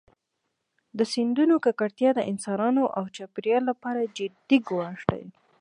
د سیندونو ککړتیا د انسانانو او چاپېریال لپاره جدي ګواښ دی.